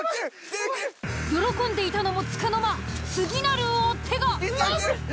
喜んでいたのもつかの間次なる追っ手が。